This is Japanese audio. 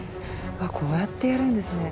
こうやってやるんですね。